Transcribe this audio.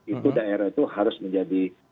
itu daerah itu harus menjadi